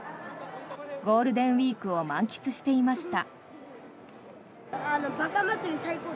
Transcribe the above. ゴールデンウィークを満喫していました。